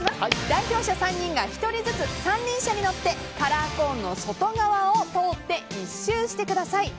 代表者３人が１人ずつ三輪車に乗ってカラーコーンの外側を通って１周してください。